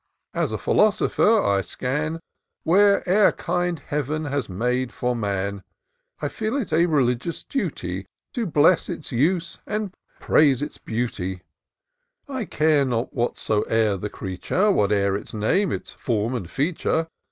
As a philosopher, I scan Whate'er kind Heav'n has made for man : I feel it a religious duty To bless its use and praise its beauty : I care not whatsoe'er the creature, Whate'er its name, its form and feature.